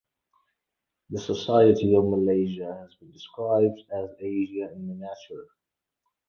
The society of Malaysia has been described as "Asia in miniature".